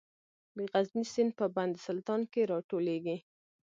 د غزني سیند په بند سلطان کې راټولیږي